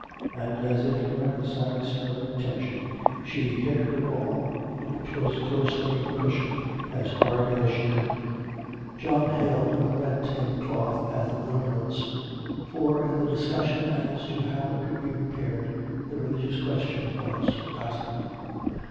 And as if to emphasise her intention, she hit her ball, which was close under the cushion, as hard as she could. John hailed the rent in the cloth as a deliverance, for in the discussion as to how it could be repaired the religious question was forgotten.